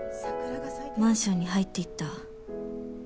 「マンションに入って行った」。